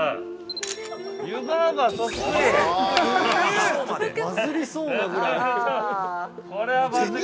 ◆湯婆婆そっくり。